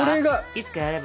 いつかやれば？